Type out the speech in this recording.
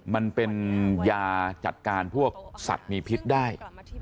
มันเป็นยาจัดการพวกสัตว์มีพิษได้